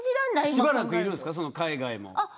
しばらく、いるんですかその海外にも。